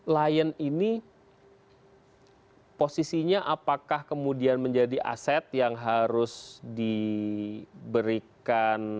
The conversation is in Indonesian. lion ini posisinya apakah kemudian menjadi aset yang harus diberikan